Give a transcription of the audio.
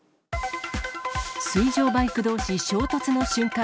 水上バイクどうし衝突の瞬間。